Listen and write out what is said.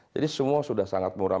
jadi semua sudah sangat murah